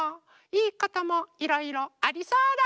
いいこともいろいろありそうだ。